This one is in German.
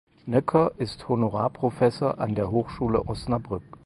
Nöcker ist Honorarprofessor an der Hochschule Osnabrück.